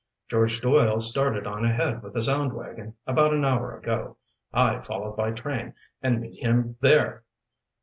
"George Doyle started on ahead with the sound wagon about an hour ago. I follow by train and meet him there."